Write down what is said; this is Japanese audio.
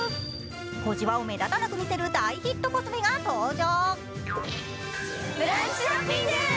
小じわを目立たなく見せる大ヒットコスメが登場。